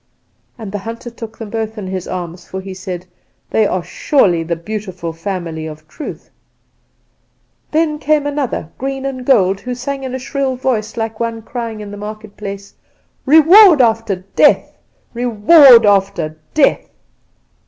"And the hunter took them both in his arms for he said "'They are surely of the beautiful family of Truth.' "Then came another, green and gold, who sang in a shrill voice, like one crying in the marketplace, 'Reward after Death! Reward after Death!